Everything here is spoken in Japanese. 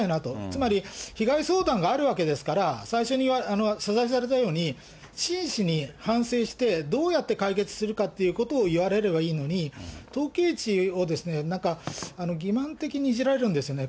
つまり、被害相談があるわけですから、最初に謝罪されたように、真摯に反省して、どうやって解決するかということを言われればいいのに、統計値をなんか、欺まん的にいじられるんですよね。